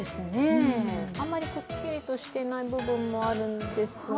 あんまり、くっきりとしていない部分もあるんですが。